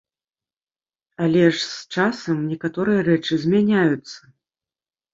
Але ж з часам некаторыя рэчы змяняюцца.